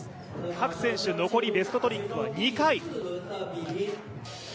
各選手、残りベストトリックは２回。